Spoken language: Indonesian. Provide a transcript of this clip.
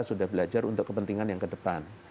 sudah belajar untuk kepentingan yang ke depan